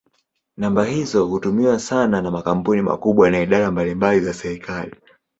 Namba hizo hutumiwa sana na makampuni makubwa na idara mbalimbali za serikali.